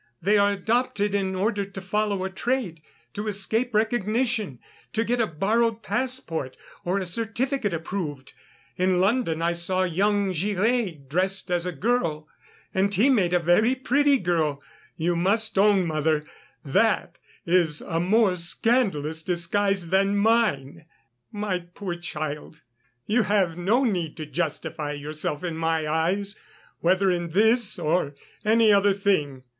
They are adopted in order to follow a trade, to escape recognition, to get a borrowed passport or a certificate approved. In London I saw young Girey dressed as a girl, and he made a very pretty girl; you must own, mother, that is a more scandalous disguise than mine." "My poor child, you have no need to justify yourself in my eyes, whether in this or any other thing.